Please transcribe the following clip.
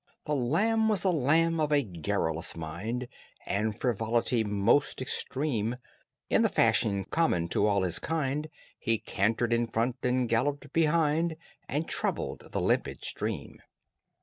The lamb was a lamb of a garrulous mind And frivolity most extreme: In the fashion common to all his kind, He cantered in front and galloped behind. And troubled the limpid stream.